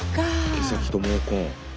毛先と毛根。